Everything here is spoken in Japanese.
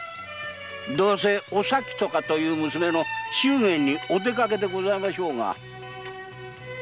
どうせお咲とかいう娘の祝言にお出かけでございましょうが？